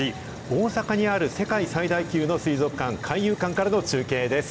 大阪にある世界最大級の水族館、海遊館からの中継です。